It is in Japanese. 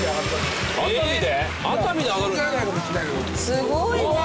すごいね。